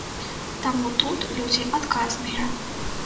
Таму тут людзі адказныя.